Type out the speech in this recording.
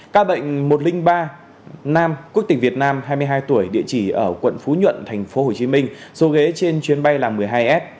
ca bệnh một trăm linh ba nam quốc tịch việt nam hai mươi hai tuổi địa chỉ ở quận phú nhuận tp hcm số ghế trên chuyến bay là một mươi hai s